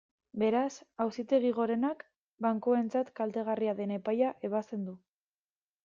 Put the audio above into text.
Beraz, Auzitegi Gorenak bankuentzat kaltegarria den epaia ebazten du.